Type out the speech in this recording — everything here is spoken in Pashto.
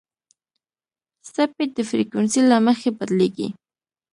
څپې د فریکونسۍ له مخې بدلېږي.